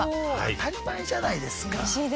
当たり前じゃないですか。